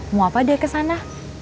mau apa dia kesana